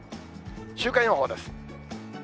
週間予報です。